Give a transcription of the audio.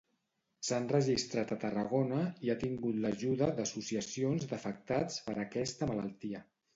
S'ha enregistrat a Tarragona i ha tingut l'ajuda d'associacions d'afectats per aquesta malaltia.